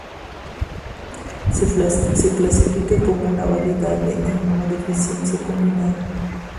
Se clasifica como una variedad de inmunodeficiencia combinada.